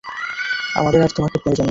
আমাদের আর তোমাকে প্রয়োজন নেই।